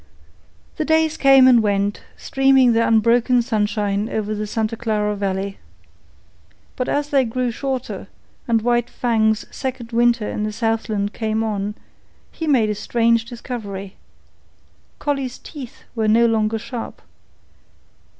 The days came and went, streaming their unbroken sunshine over the Santa Clara Valley. But as they grew shorter and White Fang's second winter in the Southland came on, he made a strange discovery. Collie's teeth were no longer sharp.